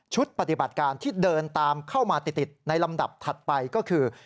ปฏิบัติการที่เดินตามเข้ามาติดในลำดับถัดไปก็คือ